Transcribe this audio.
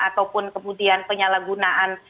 ataupun kemudian penyalahgunaan